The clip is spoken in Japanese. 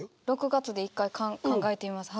６月で一回考えてみます。